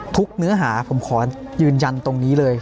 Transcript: เนื้อหาผมขอยืนยันตรงนี้เลย